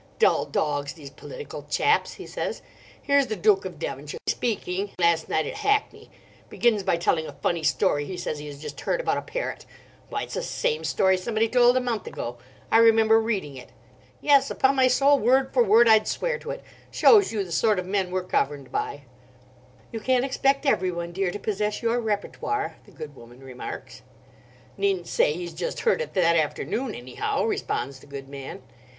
"Dull dogs, these political chaps!" he says. "Here's the Duke of Devonshire, speaking last night at Hackney, begins by telling a funny story he says he has just heard about a parrot. Why, it's the same story somebody told a month ago; I remember reading it. Yes—upon my soul—word for word, I'd swear to it. Shows you the sort of men we're governed by." "You can't expect everyone, dear, to possess your repertoire," the good woman remarks. "Needn't say he's just heard it that afternoon, anyhow," responds the good man.